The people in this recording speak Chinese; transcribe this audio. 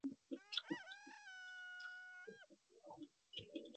他就读时则曾经两度骨折。